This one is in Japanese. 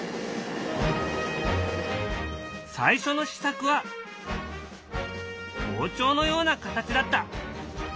最初の試作は包丁のような形だった。